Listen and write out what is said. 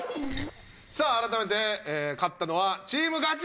さあ改めて勝ったのはチームガチ。